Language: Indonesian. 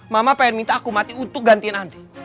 mama pengen minta aku mati untuk gantiin nanti